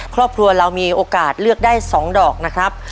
ครอบครัวเรามีโอกาสเลือกได้๒ดอกนะครับ